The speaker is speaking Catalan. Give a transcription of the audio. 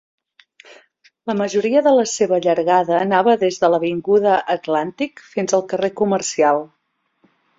La majoria de la seva llargada anava des de l'avinguda Atlantic fins al carrer Commercial.